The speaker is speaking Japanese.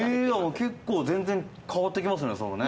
結構全然変わってきますねそれね。